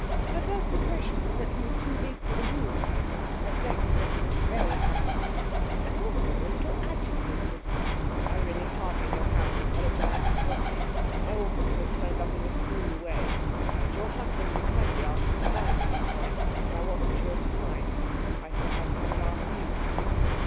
Her first impression was that he was too big for the room, her second that he was very handsome, and also a little agitated. 'I really hardly know how to apologise, Mrs Ottley. I oughtn't to have turned up in this cool way. But your husband has kindly asked me to dine with you tonight, and I wasn't sure of the time. I thought I'd come and ask you.'